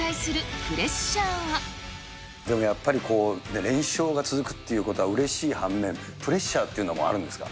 でもやっぱり、こう連勝が続くということは、うれしい反面、プレッシャーっていうのもあるんですか？